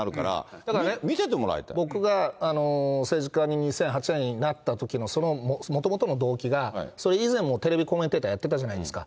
だからね、僕が政治家に２００８年になったときも、そのもともとの動機が、それ以前もテレビコメンテーターやってたじゃないですか。